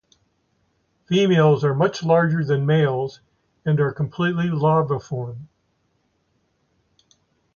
Females are much larger than the males and are completely larviform.